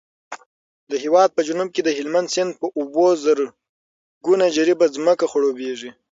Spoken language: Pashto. د هېواد په جنوب کې د هلمند سیند په اوبو زرګونه جریبه ځمکه خړوبېږي.